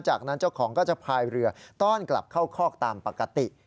จากนั้นเจ้าของก็จะพายเรือต้อนกลับเข้าคอกตามปกติ